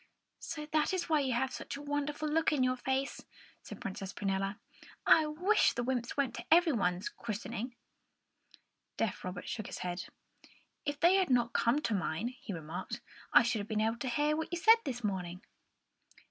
"So that is why you have such a wonderful look on your face," said Princess Prunella. "I wish the wymps went to everybody's christening!" Deaf Robert shook his head. "If they had not come to mine," he remarked, "I should have been able to hear what you said to me this morning."